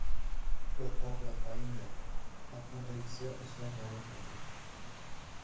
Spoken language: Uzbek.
Qo‘rqoq va xoinmi?- afg‘on elchisi Ashraf G‘ani haqida